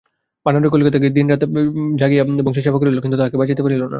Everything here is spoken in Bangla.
বনোয়ারি কলিকাতায় গিয়া দিনরাত জাগিয়া বংশীর সেবা করিল, কিন্তু তাহাকে বাঁচাইতে পারিল না।